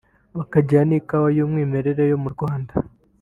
bakagira n’Ikawa y’umwimerere yo mu Rwanda